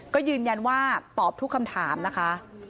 ก็ยืนยันว่าตอบทุกคำถามนะคะ